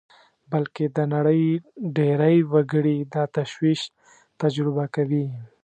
بلکې د نړۍ ډېری وګړي دا تشویش تجربه کوي